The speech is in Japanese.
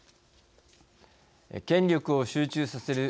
権力を集中させる